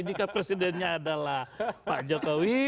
jika presidennya adalah pak jokowi